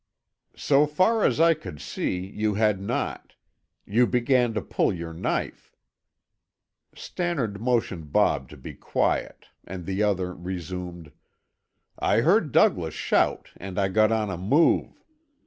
"So far as I could see you had not. You began to pull your knife." Stannard motioned Bob to be quiet and the other resumed: "I heard Douglas shout and I got on a move.